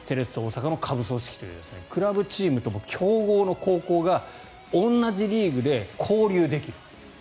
大阪の下部チームクラブチームと強豪の高校が同じリーグで交流できる。